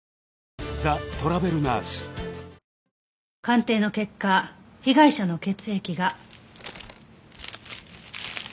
鑑定の結果被害者の血液が。